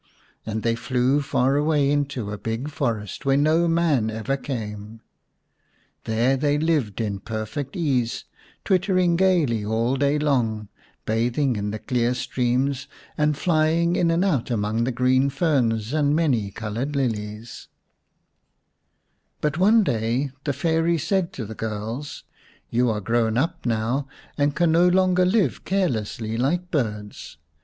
And they flew far away into a big forest where no man ever came. There they lived in perfect ease, twitter ing gaily all day long, bathing in the clear streams, and flying in and out among green ferns and many coloured lilies. 154 xin The Reward of Industry But one day the Fairy said to the girls, " You are grown up now, and can no longer live care lessly like birds.